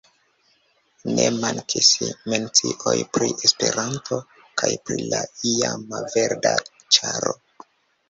Ne mankis mencioj pri Esperanto kaj pri la iama Verda Ĉaro.